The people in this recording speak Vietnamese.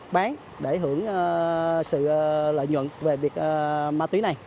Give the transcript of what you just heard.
bán để hưởng sự lợi nhuận về việc ma túy này